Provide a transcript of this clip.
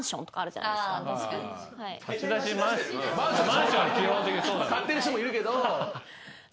買ってる人もいるけど。